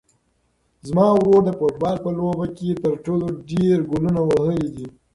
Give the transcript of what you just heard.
زما ورور د فوټبال په لوبه کې تر ټولو ډېر ګولونه وهلي دي.